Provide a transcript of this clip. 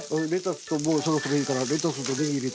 もうそろそろいいからレタスとねぎ入れてくれ。